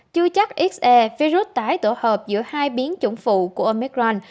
chưa chắc xe virus tái tổ hợp giữa hai biến chủng phụ của omicron